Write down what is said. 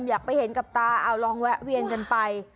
อยากไปเห็นกับตาเอาลองแวะเวียนกันไป